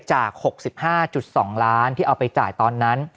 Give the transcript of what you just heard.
จาก๖๕๒ล้านที่เอาไปจ่ายตอนนั้น